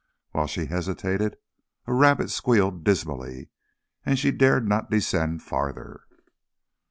While she hesitated a rabbit squealed dismally, and she dared not descend farther.